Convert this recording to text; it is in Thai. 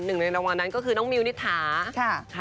หนึ่งในรางวัลนั้นก็คือน้องมิวนิษฐาค่ะ